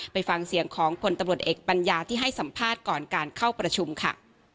ไปฟังเสียงของพลตำรวจเอกปัญญาที่ให้สัมภาษณ์ก่อนการเข้าประชุมค่ะ